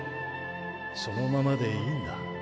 そのままでいいんだ。